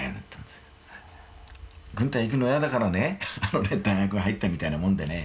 軍隊行くのやだからね大学入ったみたいなもんでね。